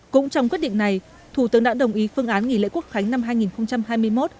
cũng trong quyết định này thủ tướng đã đồng ý phương án nghỉ lễ quốc khánh năm hai nghìn hai mươi một